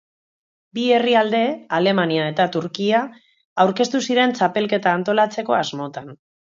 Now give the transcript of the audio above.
Bi herrialde, Alemania eta Turkia, aurkeztu ziren txapelketa antolatzeko asmotan.